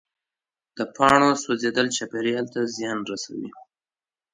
د پاڼو سوځېدل چاپېریال ته زیان رسوي.